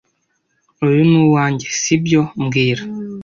Uyu ni uwanjye, si byo mbwira